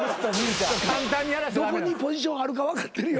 どこにポジションあるか分かってるよ。